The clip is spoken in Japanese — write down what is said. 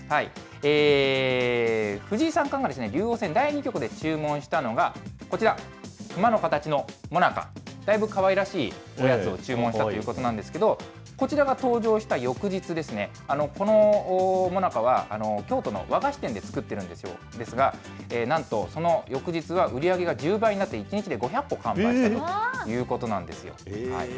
藤井三冠が竜王戦第２局で注文したのが、こちら、くまの形のもなか、だいぶかわいらしいおやつを注文したということなんですけど、こちらが登場した翌日ですね、このもなかは、京都の和菓子店で作っているんですけど、ですが、なんとその翌日は、売り上げが１０倍になって、１日で５００個完売したということなんですよ。